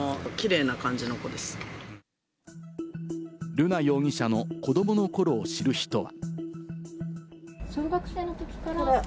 瑠奈容疑者の子どもの頃を知る人は。